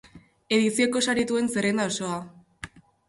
Edizioko sarituen zerrenda osoa.